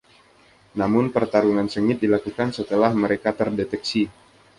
Namun, pertarungan sengit dilakukan setelah mereka terdeteksi.